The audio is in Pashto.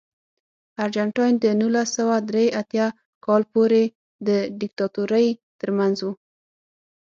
ارجنټاین د نولس سوه درې اتیا کال پورې د دیکتاتورۍ ترمنځ و.